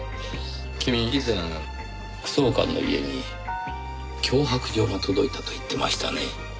君以前副総監の家に脅迫状が届いたと言ってましたね。